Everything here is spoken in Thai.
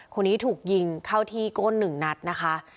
คนนี้ถูกยิงเข้าที่ก้น๑นัดนะคะ